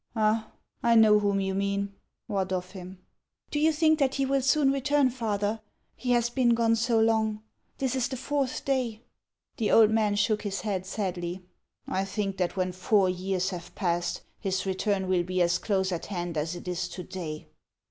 " Ah, I know whom you mean ! What of him?" " I )o you think that he will soon return, father ? He has been gone so long !— this is the fourth day." The old man shook his head sadly. " I think that when four years have passed, his return will be as close at hand as it is to day."